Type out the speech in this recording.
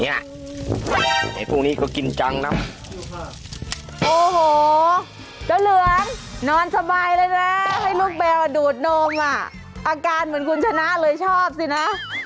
อาการเหมือนคุณชนะเลยชอบสินะ